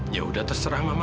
ya udah terserah mama